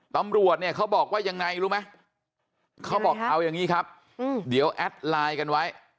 ตำรวจเนี่ยเขาบอกว่ายังไงรู้ไหมเขาบอกเอาอย่างนี้ครับเดี๋ยวแอดไลน์กันไว้